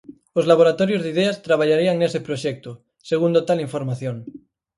Os laboratorios de ideas traballarían nese proxecto, segundo tal información.